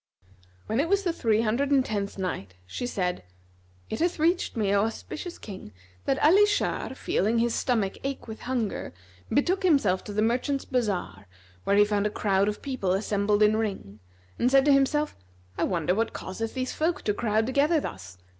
When it was the Three Hundred and Tenth Night, She said, It hath reached me, O auspicious King, that Ali Shar feeling his stomach ache with hunger, betook himself to the merchants' bazar where he found a crowd of people assembled in ring, and said to himself, "I wonder what causeth these folk to crowd together thus?